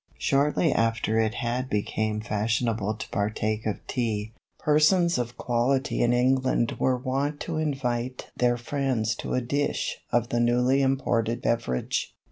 Shortly after it had became fashionable to partake of Tea, persons of quality in England were wont to invite their friends to a "dish" of the newly imported beverage.